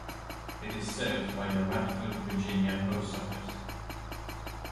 It is served by the Radford, Virginia post office.